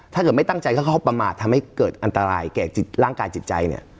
ถ้าเกิดไม่ตั้งใจเขาก็ประมาททำให้เกิดอันตรายแก่ร่างกายจิตใจเนี่ย